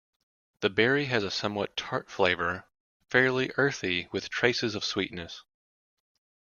The berry has a somewhat tart flavor, fairly earthy with traces of sweetness.